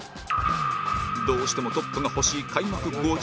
どうしてもトップが欲しい開幕５８日目